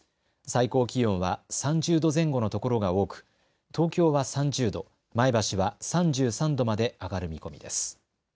最高気温は３０度前後の所が多く東京は３０度、前橋は３３度まで上がる見込みです。